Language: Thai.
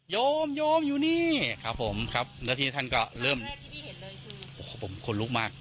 โยมโยมอยู่นี่ครับผมครับแล้วที่ท่านก็เริ่มโอ้โหผมคนลุกมาก